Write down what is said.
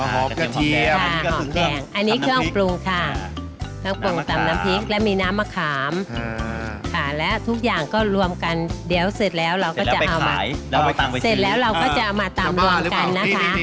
หอมกระเทียมหอมแดงอันนี้เครื่องปรุงค่ะแล้วมีน้ำมะขามแล้วทุกอย่างก็รวมกันเดี๋ยวเสร็จแล้วเราก็จะเอามาตำรวมกันนะคะ